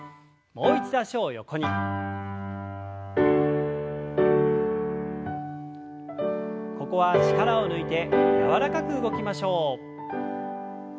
ここは力を抜いて柔らかく動きましょう。